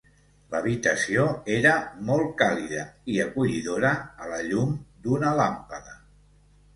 L'habitació era molt càlida i acollidora a la llum d'una làmpada.